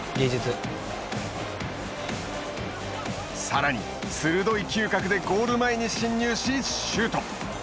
さらに、鋭い嗅覚でゴール前に侵入し、シュート。